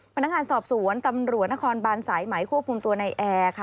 พนักงานสอบสวนตำรวจนครบานสายไหมควบคุมตัวในแอร์ค่ะ